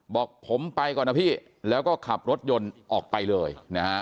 บอกผมไปก่อนนะพี่แล้วก็ขับรถยนต์ออกไปเลยนะฮะ